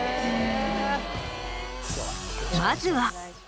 まずは。